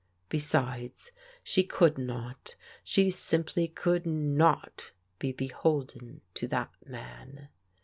Besides, she could not, she simply could not be beholden to that man.